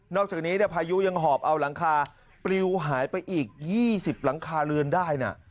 อกจากนี้พายุยังหอบเอาหลังคาปลิวหายไปอีก๒๐หลังคาเรือนได้นะ